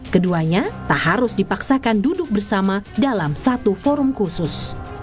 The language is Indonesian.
keduanya tak harus dipaksakan duduk bersama dalam satu forum khusus